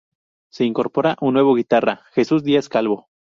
Se incorpora un nuevo guitarra Jesús Díaz Calvo.